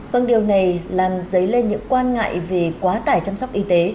vâng điều này làm dấy lên những quan ngại về quá tải chăm sóc y tế